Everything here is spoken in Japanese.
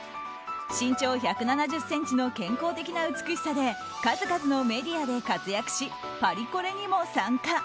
身長１７０ｃｍの健康的な美しさで数々のメディアで活躍しパリコレにも参加。